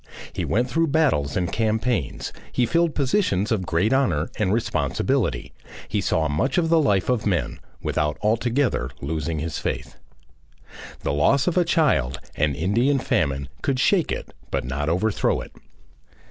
He went through battles and campaigns, he filled positions of great honour and responsibility, he saw much of the life of men, without altogether losing his faith. The loss of a child, an Indian famine, could shake it but not overthrow it.